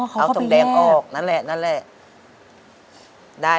อ๋อเขาเข้าไปแยกเอาตรงแดงออกนั่นแหละ